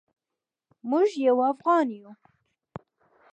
موږ یو افغان یو.